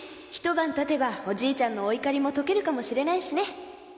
一晩たてばおじいちゃんのお怒りも解けるかも知れないしね